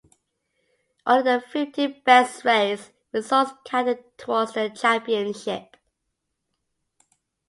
Only the fifteen best race results counted towards the championship.